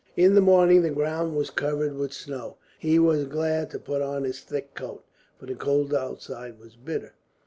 In the morning the ground was covered with snow. He was glad to put on his thick coat, for the cold outside was bitter.